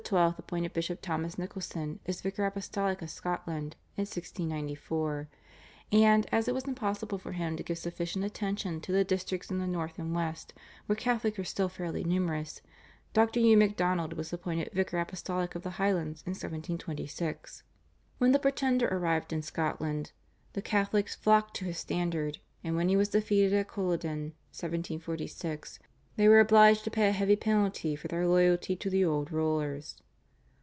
appointed Bishop Thomas Nicholson as vicar apostolic of Scotland in 1694, and, as it was impossible for him to give sufficient attention to the districts in the north and west where Catholics were still fairly numerous, Dr. Hugh MacDonald was appointed vicar apostolic of the Highlands in 1726. When the Pretender arrived in Scotland the Catholics flocked to his standard, and when he was defeated at Culloden (1746) they were obliged to pay a heavy penalty for their loyalty to the old rulers.